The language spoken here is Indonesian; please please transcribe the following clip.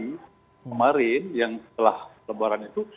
kemarin yang setelah lebaran itu